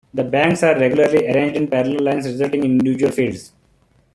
The banks are regularly arranged in parallel lines resulting in individual fields.